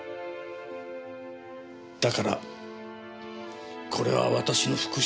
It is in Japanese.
だからこれは私の復讐なんです。